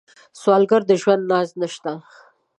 سوالګر د ژوند ناز نشته